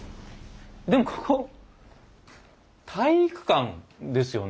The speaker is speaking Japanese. でもここ体育館ですよね？